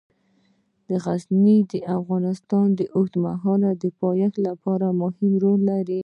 غزني د افغانستان د اوږدمهاله پایښت لپاره مهم رول لري.